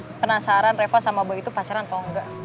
lo penasaran reva sama boy itu pacaran atau enggak